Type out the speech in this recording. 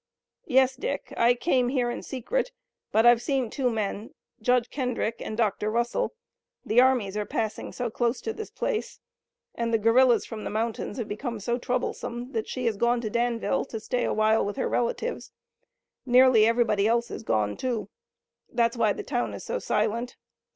"Yes, Dick, I came here in secret, but I've seen two men, Judge Kendrick and Dr. Russell. The armies are passing so close to this place, and the guerillas from the mountains have become so troublesome, that she has gone to Danville to stay a while with her relatives. Nearly everybody else has gone, too. That's why the town is so silent.